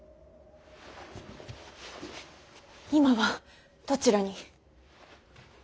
今はどちらに。